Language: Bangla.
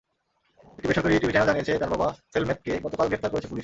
একটি বেসরকারি টিভি চ্যানেল জানিয়েছে, তাঁর বাবা সেলমেতকে গতকাল গ্রেপ্তার করেছে পুলিশ।